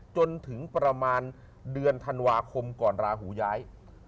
จนถึงประมาณเดือนธันวาคมก่อนราหูย้าย